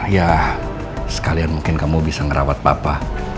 ya sekalian mungkin kamu bisa ngerawat papa